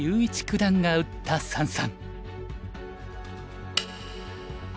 段が打った三々。